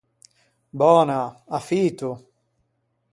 Böna, à fito!